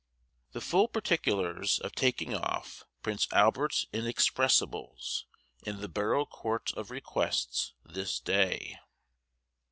THE FULL PARTICULARS OF "TAKING OFF" PRINCE ALBERT'S INEXPESSIBLES. IN THE BOROUGH COURT OF REQUESTS. THIS DAY.